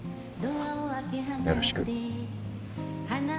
よろしく。